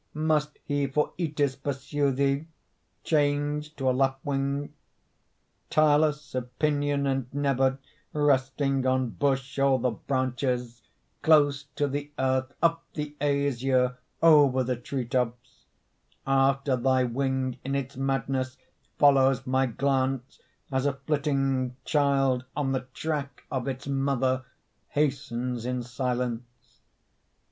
Must he for Itys pursue thee, Changed to a lapwing? Tireless of pinion and never Resting on bush or the branches, Close to the earth, up the azure, Over the treetops; After thy wing in its madness Follows my glance, as a flitting Child on the track of its mother Hastens in silence.